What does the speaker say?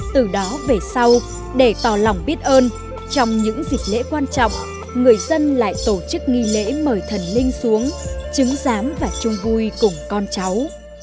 từ đó về sau để tỏ lòng biết ơn trong những dịp lễ quan trọng người dân lại tổ chức nghi lễ mời thần linh xuống chứng giám và chung vui cùng con cháu